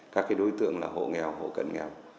các đối tượng hộ nghèo hộ cận nghèo